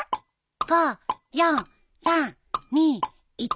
５４３２１。